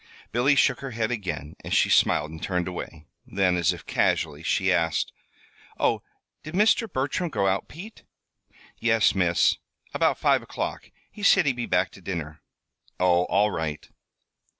Billy shook her head again as she smiled and turned away. Then, as if casually, she asked: "Oh, did Mr. Bertram go out, Pete?" "Yes, Miss; about five o'clock. He said he'd be back to dinner." "Oh! All right."